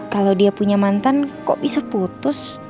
kalau dia punya mantan kok bisa putus